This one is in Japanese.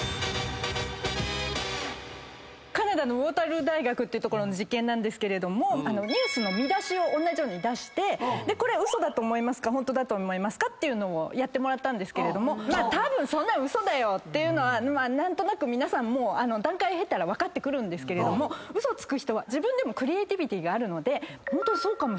カナダのウォータールー大学って所の実験なんですけれどもニュースの見出しを同じように出してこれウソだと思いますかホントだと思いますか？というのをやってもらったんですけれどもそんなのウソだよっていうのは何となく皆さんもう段階経たら分かってくるけどウソつく人はクリエーティビティーがあるのでホントにそうかもしれない。